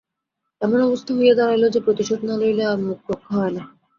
এমন অবস্থা হইয়া দাঁড়াইল যে, প্রতিশোধ না লইলে আর মুখ রক্ষা হয় না।